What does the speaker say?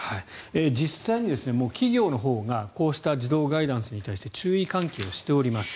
実際に企業のほうがこうした自動ガイダンスに対して注意喚起をしております。